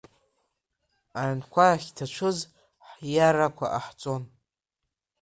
Аҩнқәа ахьҭацәыз ҳиарақәа ҟаҳҵон.